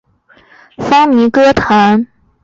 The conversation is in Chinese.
白光还以其磁性的女低音风靡歌坛。